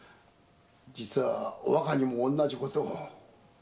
実は若にも同じことを。